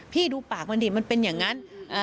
ดูปากมันดิมันเป็นอย่างนั้น